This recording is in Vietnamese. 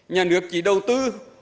nhà nước chỉ đầu tư